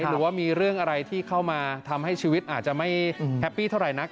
หรือว่ามีเรื่องอะไรที่เข้ามาทำให้ชีวิตอาจจะไม่แฮปปี้เท่าไหร่นัก